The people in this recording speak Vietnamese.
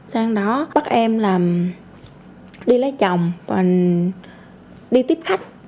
sau đó bắt em làm đi lấy chồng và đi tiếp khách